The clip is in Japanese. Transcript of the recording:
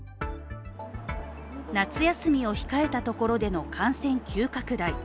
夏休みを控えたところでの感染急拡大。